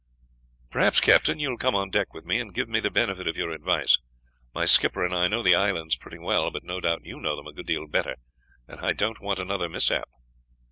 "Perhaps, captain, you will come on deck with me and give me the benefit of your advice. My skipper and I know the islands pretty well, but no doubt you know them a good deal better, and I don't want another mishap."